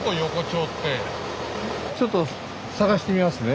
ちょっと探してみますね。